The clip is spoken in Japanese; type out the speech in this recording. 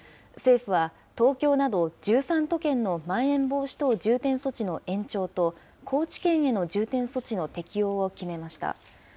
政府は東京など、１３都県のまん延防止等重点措置の延長と、高知県への重点措置の適用を決めました。